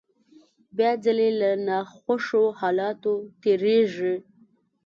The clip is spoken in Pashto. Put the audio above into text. بيا ځلې له ناخوښو حالاتو تېرېږي.